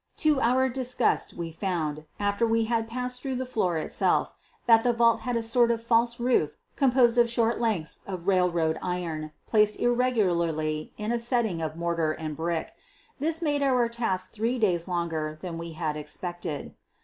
To our disgust we found, after we had passed through the floor itself, that the vault had a sort of false roof composed of short lengths of railroad iron placed irregularly in a setting of mortar and brick. This made our task three days longer than we had expected.